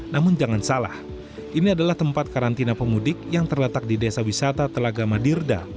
namun jangan salah ini adalah tempat karantina pemudik yang terletak di desa wisata telaga madirda